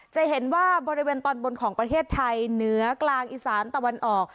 จะเห็นว่าบริเวณตอนบนของประเทศไทยเหนือกลางอีสานตะวันออก